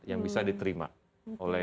yang bisa diterima oleh